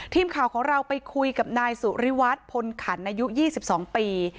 ทีมข่าวของเราไปคุยกับนายสุริวัตรพลขันอายุ๒๒ปี